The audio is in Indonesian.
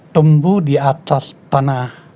tumbuh di atas tanah